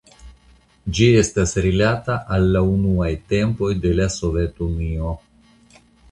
Ĝi estas rilata al la unuaj tempoj de Sovetunio.